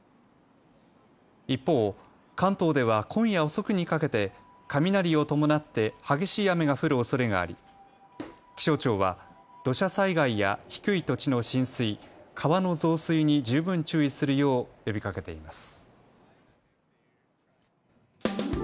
一方、関東では今夜遅くにかけて雷を伴って激しい雨が降るおそれがあり気象庁は土砂災害や低い土地の浸水、川の増水に十分注意するよう呼びかけています。